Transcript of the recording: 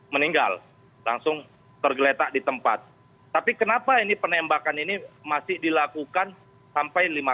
meninggal langsung tergeletak di tempat tapi kenapa ini penembakan ini masih dilakukan sampai